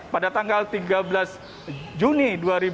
pada tanggal tiga belas juni dua ribu dua puluh